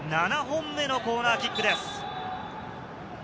７本目のコーナーキックです。